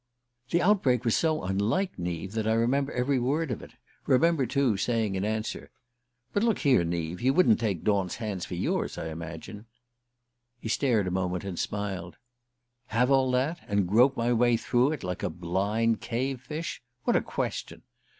The outbreak was so unlike Neave that I remember every word of it: remember, too, saying in answer: "But, look here, Neave, you wouldn't take Daunt's hands for yours, I imagine?" He stared a moment and smiled. "Have all that, and grope my way through it like a blind cave fish? What a question!